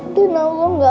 aku mau pulih ngerah